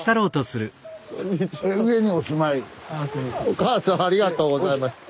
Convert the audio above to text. おかあさんありがとうございました。